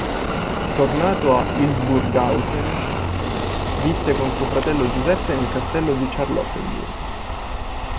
Tornato a Hildburghausen, visse con suo fratello Giuseppe nel castello di Charlottenburg.